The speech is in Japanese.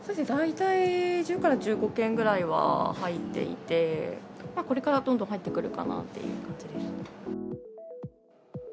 大体１０から１５件ぐらいは入っていて、これからどんどん入ってくるかなっていう感じですね。